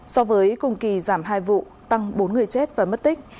so với cùng kỳ giảm hai vụ tăng bốn người chết và mất tích